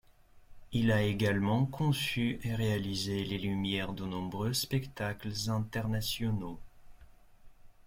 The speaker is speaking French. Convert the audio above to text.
Il a également conçu et réalisé les lumières de nombreux spectacles internationaux.